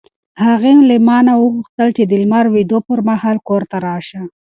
هغې له ما نه وغوښتل چې د لمر لوېدو پر مهال کور ته راشه.